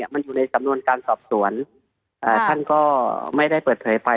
มันอยู่ในสำนวนการสอบสวนท่านก็ไม่ได้เปิดเผยภัย